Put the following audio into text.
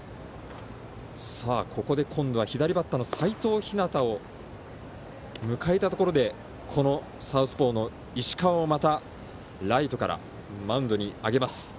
ここで今度は左バッターの齋藤陽を迎えたところでこのサウスポーの石川をライトからマウンドに上げます。